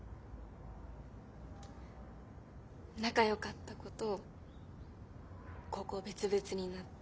仲よかった子と高校別々になって。